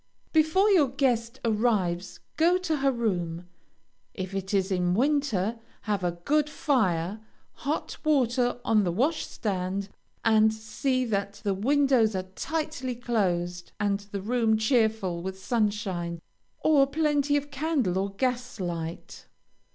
Before your guest arrives, go to her room. If it is in winter, have a good fire, hot water on the washstand, and see that the windows are tightly closed, and the room cheerful with sunshine, or plenty of candle or gas light.